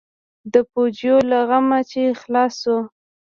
د پوجيو له غمه چې خلاص سو.